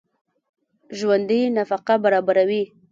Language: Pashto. ژوندي نفقه برابروي